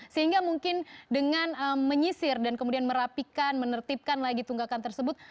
sehingga mungkin dengan menyisir dan kemudian merapikan menertibkan lagi tunggakan tersebut